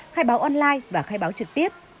khai báo online và khai báo trực tiếp